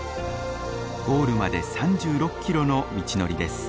ゴールまで３６キロの道のりです。